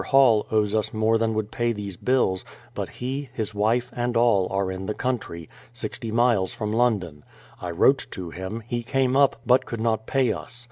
Hall owes us more than would pay these bills, but he, his wife, and all, are in the country, 60 miles from London. I wrote to him, he came up, but could not pay us.